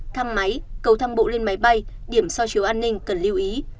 thăm máy cầu thang bộ lên máy bay điểm so chiếu an ninh cần lưu ý